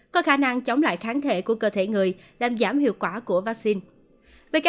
có khả năng chống lại kháng thể của cơ thể người làm giảm hiệu quả của vaccine